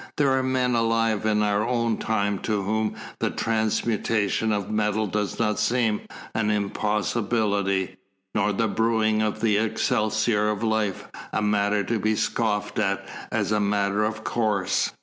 There are men alive in our own time to whom the transmutation of metals does not seem an impossibility, nor the brewing of the elixir of life a matter to be scoffed at as a matter of course.